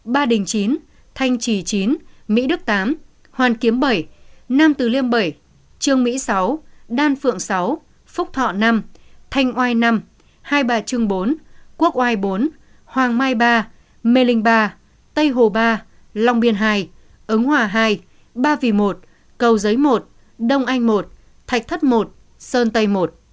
ba đình chín thanh trì chín mỹ đức tám hoàn kiếm bảy nam từ liêm bảy trường mỹ sáu đan phượng sáu phúc thọ năm thanh oai năm hai bà trưng bốn quốc oai bốn hoàng mai ba mê linh ba tây hồ ba long biên hai ứng hòa hai ba vì một cầu giới một đông anh một thạch thất một sơn tây một